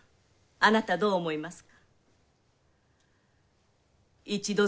あなたどう思いますか？